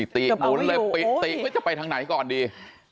ติหมุนเลยติจะไปทางไหนก่อนดี